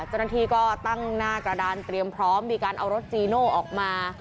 เจ้าหน้าที่ก็ตั้งหน้ากระดานเตรียมพร้อมมีการเอารถจีโน่ออกมา